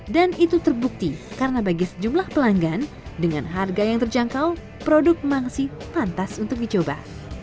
dan itu terbukti karena bagi sejumlah pelanggan dengan harga yang terjangkau produk mangsih pantas untuk dicoba